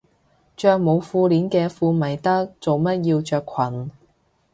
着冇褲鏈嘅褲咪得，做乜要着裙